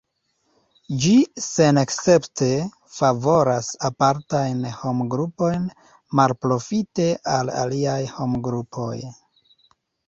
Ĝi senescepte favoras apartajn homgrupojn malprofite al aliaj homgrupoj.